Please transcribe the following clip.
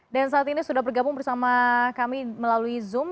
dan saat ini sudah bergabung bersama kami melalui zoom